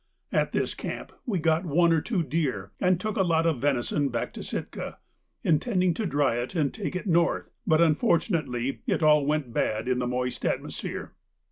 At this camp we got one or two deer, and took a lot of venison back to Sitka, intending to dry it and take it north, but unfortunately it all went bad in that moist atmosphere.